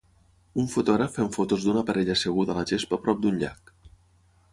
Un fotògraf fent fotos d'una parella asseguda a la gespa prop d'un llac